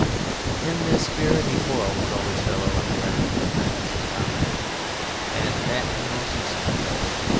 In this spirit he quarrelled with all his fellow underwriters and friends and comrades, and that in the most insolent way.